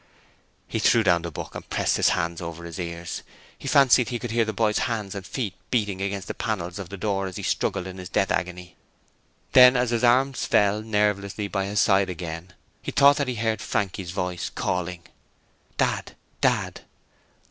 He threw down the book and pressed his hands over his ears: he fancied he could hear the boy's hands and feet beating against the panels of the door as he struggled in his death agony. Then, as his arms fell nervelessly by his side again, he thought that he heard Frankie's voice calling. 'Dad! Dad!'